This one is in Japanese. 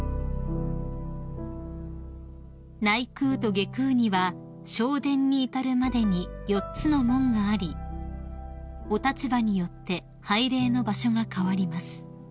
［内宮と外宮には正殿に至るまでに４つの門がありお立場によって拝礼の場所が変わります］